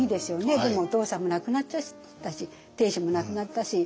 でもお父さんも亡くなっちゃったし定子も亡くなったし。